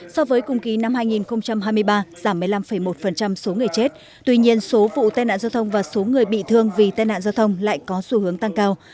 so với cùng kỳ năm hai nghìn hai mươi ba giảm một mươi năm một số người chết tuy nhiên số vụ tai nạn giao thông và số người bị thương vì tai nạn giao thông lại có xu hướng tăng cao